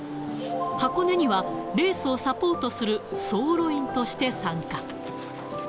箱根には、レースをサポートする走路員として参加。